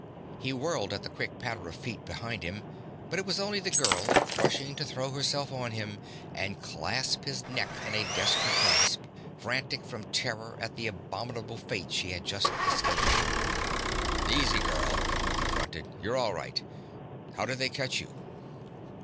He whirled at the quick patter of feet behind him, but it was only the girl, rushing to throw herself on him and clasp his neck in a desperate grasp, frantic from terror of the abominable fate she had just escaped. 'Easy, girl,' he grunted. 'You're all right. How did they catch you?'